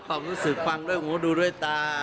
ถ้าคุณรู้สึกฟังด้วยผมก็ดูด้วยตา